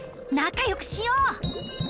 なかよくしよう！